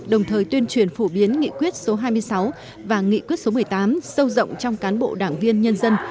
đồng thời tuyên truyền phổ biến nghị quyết số hai mươi sáu và nghị quyết số một mươi tám sâu rộng trong cán bộ đảng viên nhân dân